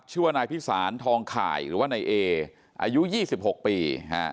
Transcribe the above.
ชื่อว่านายพิสารทองข่ายหรือว่านายเออายุ๒๖ปี